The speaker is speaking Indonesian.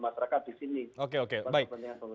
masyarakat di sini oke baik pada kepentingan